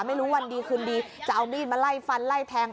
ไม่รู้วันดีคืนดีจะเอามีดมาไล่ฟันไล่แทง